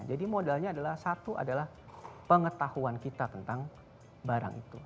jadi modalnya adalah satu adalah pengetahuan kita tentang barang itu